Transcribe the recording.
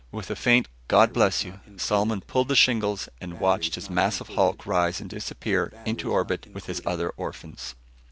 With a faint "God Bless You," Solomon pulled the shingles and watched its massive hulk rise and disappear into orbit with his other orphans.